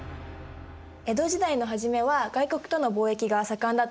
江戸時代の初めは外国との貿易が盛んだったんですね。